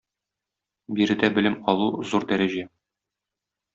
Биредә белем алу - зур дәрәҗә.